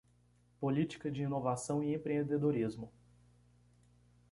Política de inovação e empreendedorismo